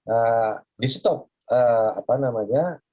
ee di stop apa namanya